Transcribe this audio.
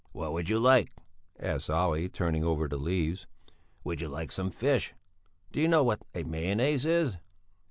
"What would you like?" asked Olle, turning over the leaves. "Would you like some fish? Do you know what a mayonnaise is?"